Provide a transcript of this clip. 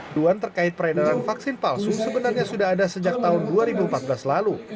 aduan terkait peredaran vaksin palsu sebenarnya sudah ada sejak tahun dua ribu empat belas lalu